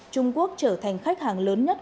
trung quốc trở thành khách hàng lớn nhất